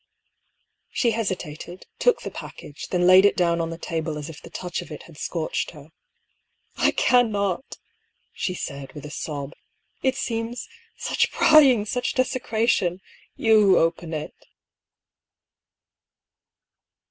She hesitated, took the package, then laid it down on the table as if the touch of it had scorched her. " I cannot !" she said, with a sob. " It seems — such prying, such desecration ! You open it."